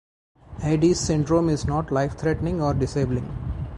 Adie's syndrome is not life-threatening or disabling.